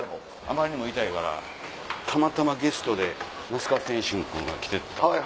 あまりにも痛いからたまたまゲストで那須川天心君が来て。